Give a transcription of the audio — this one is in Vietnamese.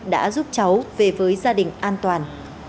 đã giúp cháu về với gia đình an toàn